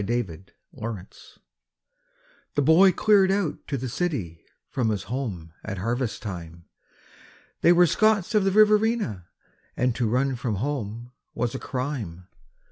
9 Autoplay The boy cleared out to the city from his home at harvest time They were Scots of the Riverina, and to run from home was a crime.